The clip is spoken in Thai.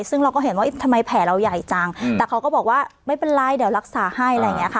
ซึ่งเราก็เห็นว่าทำไมแผลเราใหญ่จังแต่เขาก็บอกว่าไม่เป็นไรเดี๋ยวรักษาให้อะไรอย่างนี้ค่ะ